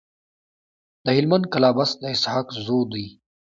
د هلمند کلابست د اسحق زو دی.